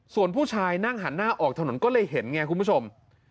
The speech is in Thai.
ส่วนผู้ชายนั่งหันหน้าออกถนนก็เลยเห็นไงคุณผู้ชม